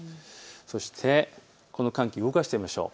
そして、この寒気動かしてみましょう。